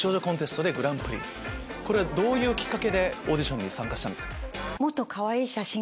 これはどういうきっかけでオーディションに参加した？